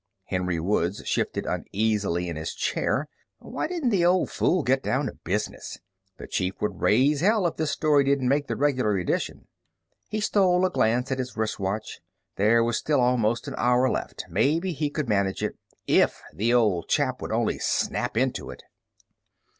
Henry Woods shifted uneasily in his chair. Why didn't the old fool get down to business? The chief would raise hell if this story didn't make the regular edition. He stole a glance at his wrist watch. There was still almost an hour left. Maybe he could manage it. If the old chap would only snap into it!